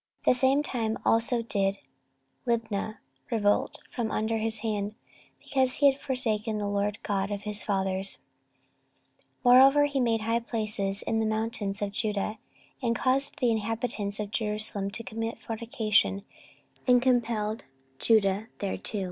The same time also did Libnah revolt from under his hand; because he had forsaken the LORD God of his fathers. 14:021:011 Moreover he made high places in the mountains of Judah and caused the inhabitants of Jerusalem to commit fornication, and compelled Judah thereto.